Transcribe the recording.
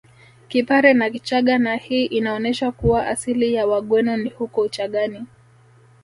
Kipare na Kichaga na hii inaonesha kuwa asili ya Wagweno ni huko Uchagani